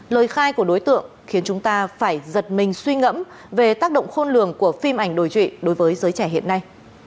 lời khai của đối tượng khiến chúng ta phải giật mình suy ngẫm về tác động khôn lường của phim ảnh đồi trụy đối với giới trẻ hiện nay